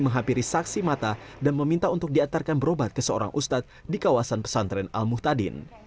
menghampiri saksi mata dan meminta untuk diantarkan berobat ke seorang ustadz di kawasan pesantren al muhtadin